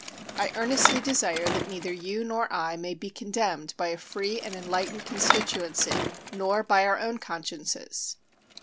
I earnestly desire that neither you nor I may be condemned by a free and enlightened constituency nor by our own consciences.